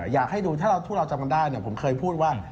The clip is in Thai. อยากให้ดูถ้าพวกเราจำกันได้ผมเคยพูดว่า